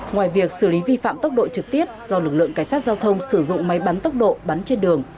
ngoài việc xử lý vi phạm tốc độ trực tiếp do lực lượng cảnh sát giao thông sử dụng máy bắn tốc độ bắn trên đường